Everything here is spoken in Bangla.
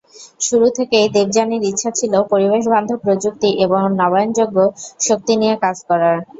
শুরু থেকেই দেবযানীর ইচ্ছা ছিল পরিবেশবান্ধব প্রযুক্তি এবং নবায়নযোগ্য শক্তি নিয়ে কাজ করার।